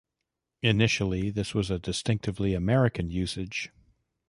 Initially this was a distinctively American usage.